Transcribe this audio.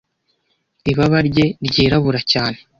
ibaba rye ryirabura cyane